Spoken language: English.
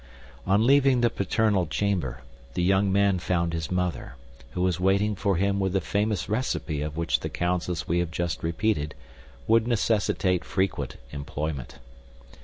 On leaving the paternal chamber, the young man found his mother, who was waiting for him with the famous recipe of which the counsels we have just repeated would necessitate frequent employment.